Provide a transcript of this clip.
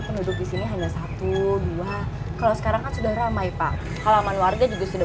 penduduk di sini hanya satu dua kalau sekarang kan sudah ramai pak halaman warga juga sudah